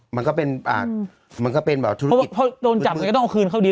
มันก็เป็นอ่ามันก็เป็นแบบธุรกิจเพราะว่าเพราะโดนจับก็ต้องคืนเข้าดี